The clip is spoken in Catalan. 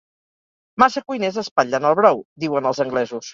Massa cuiners espatllen el brou, diuen els anglesos.